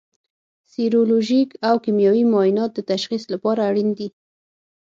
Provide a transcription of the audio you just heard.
سیرولوژیک او کیمیاوي معاینات د تشخیص لپاره اړین دي.